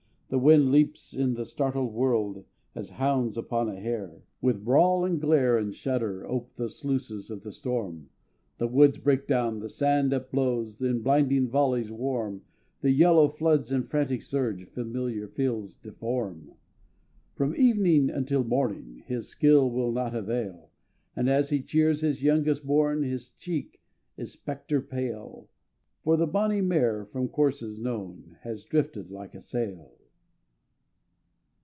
The wind leaps on the startled world As hounds upon a hare; With brawl and glare and shudder ope The sluices of the storm; The woods break down, the sand upblows In blinding volleys warm; The yellow floods in frantic surge Familiar fields deform. From evening until morning His skill will not avail, And as he cheers his youngest born, His cheek is spectre pale; For the bonnie mare from courses known Has drifted like a sail!